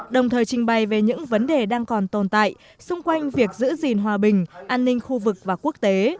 đồng thời trình bày về những vấn đề đang còn tồn tại xung quanh việc giữ gìn hòa bình an ninh khu vực và quốc tế